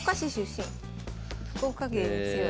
福岡県に強い。